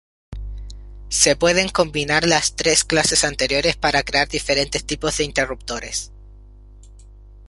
Se pueden combinar las tres clases anteriores para crear diferentes tipos de interruptores.